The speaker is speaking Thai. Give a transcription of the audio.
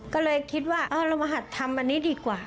ก็เลยคิดว่าเรามาหัดทำอันนี้ดีกว่า